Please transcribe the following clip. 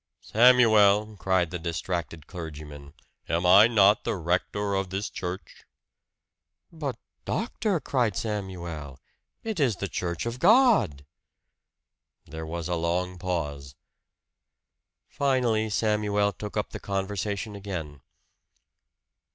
"Samuel," cried the distracted clergyman, "am I not the rector of this church?" "But, doctor," cried Samuel, "it is the church of God!" There was a long pause. Finally, Samuel took up the conversation again.